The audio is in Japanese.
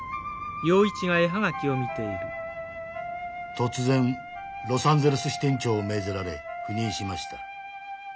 「突然ロサンゼルス支店長に命ぜられ赴任しました。